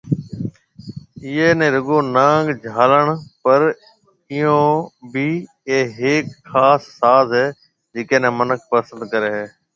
اي ني رُگو نانگ جھالڻ پر ايئون بِي اي ھيَََڪ خاص ساز ھيَََ جڪي ني منک پسند ڪري ھيَََ